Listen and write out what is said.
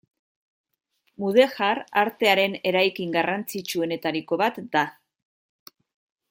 Mudejar artearen eraikin garrantzitsuenetariko bat da.